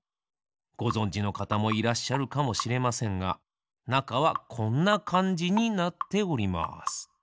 ごぞんじのかたもいらっしゃるかもしれませんがなかはこんなかんじになっております。